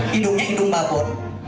hidungnya hidung mbak bon